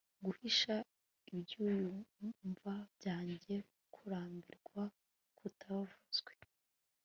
guhisha ibyiyumvo byanjye, kurambirwa, kutavuzwe